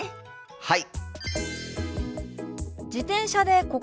はい！